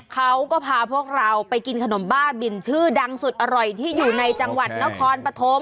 เขาก็พาพวกเราไปกินขนมบ้าบินชื่อดังสุดอร่อยที่อยู่ในจังหวัดนครปฐม